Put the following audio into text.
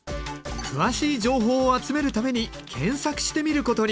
詳しい情報を集めるために検索してみることに。